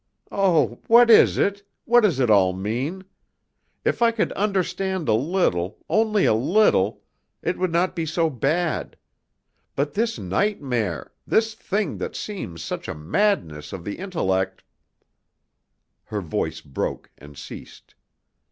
"Oh! what is it? What does it all mean? If I could understand a little only a little it would not be so bad. But this nightmare, this thing that seems such a madness of the intellect " Her voice broke and ceased.